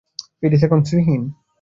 Paris এখন শ্রীহীন।